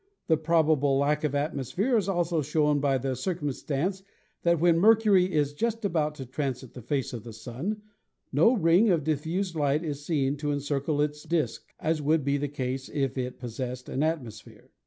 The probable lack of atmosphere is also shown by the circum stance that when Mercury is just about to transit the face of the Sun, no ring of diffused light is seen to encircle its disk, as would be the case if it possessed an atmosphere.